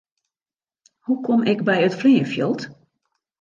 Hoe kom ik by it fleanfjild?